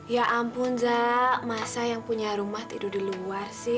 ya ampun za masa yang punya rumah tidur di luar sih